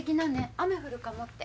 雨降るかもって。